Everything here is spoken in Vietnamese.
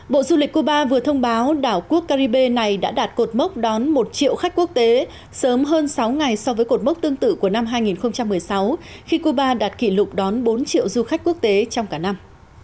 bộ du lịch cuba vừa thông báo đảo quốc caribe này đã đạt cột mốc đón một triệu khách quốc tế sớm hơn sáu ngày so với cột mốc tương tự của năm hai nghìn một mươi sáu khi cuba đạt kỷ lục đón bốn triệu du khách quốc tế trong cả năm